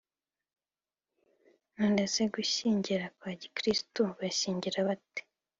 none se gushyingira kwa gikirisitu bashyingira bate